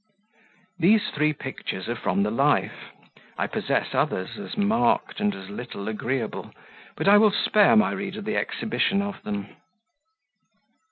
These three pictures are from the life. I possess others, as marked and as little agreeable, but I will spare my reader the exhibition of them.